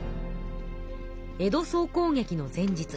江戸総攻撃の前日。